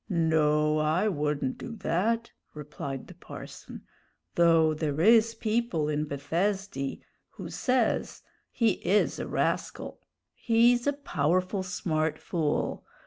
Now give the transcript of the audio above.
"No, I wouldn't do that," replied the parson; "though there is people in Bethesdy who says he is a rascal. He's a powerful smart fool.